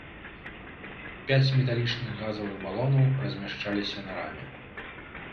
Пяць металічных газавых балонаў размяшчаліся на раме.